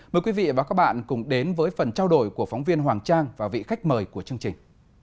mời quý vị và các bạn cùng đến với phần trao đổi của phóng viên hoàng trang và vị khách mời của chương trình